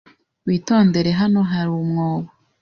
Witondere. Hano hari umwobo.